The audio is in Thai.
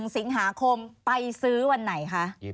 ๑สิงหาคมไปซื้อวันไหนคะ